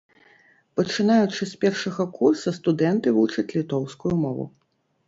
Пачынаючы з першага курса студэнты вучаць літоўскую мову.